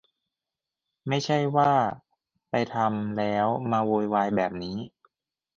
ไม่ใช่ว่าไปทำแล้วมาโวยวายแบบนี้